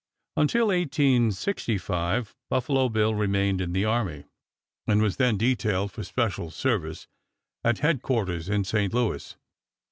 Until 1865, Buffalo Bill remained in the army, and was then detailed for special service at headquarters in St. Louis.